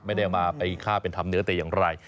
ไม่ได้เอามาไปฆ่าเป็นทำเนื้อแต่อย่างไร